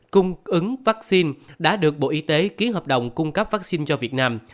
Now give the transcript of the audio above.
cung ứng vaccine đã được bộ y tế ký hợp đồng cung cấp vaccine cho việt nam